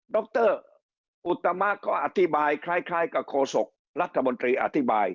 ดรอุตตมะเขาอธิบายคล้ายกับโคศกรัฐบนตรีอธิบาย